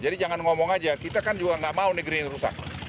jadi jangan ngomong aja kita kan juga nggak mau negeri ini rusak